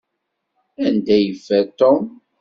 Anda ay yeffer Tom?